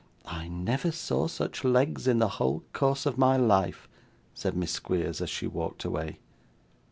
'I never saw such legs in the whole course of my life!' said Miss Squeers, as she walked away.